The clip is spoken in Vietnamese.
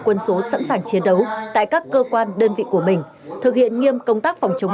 quân số sẵn sàng chiến đấu tại các cơ quan đơn vị của mình thực hiện nghiêm công tác phòng chống